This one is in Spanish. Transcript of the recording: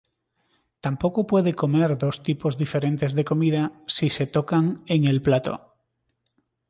Tampoco puede comer dos tipos diferentes de comida si se tocan en el plato.